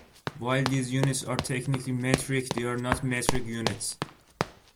While these units are technically metric, they are not metric units.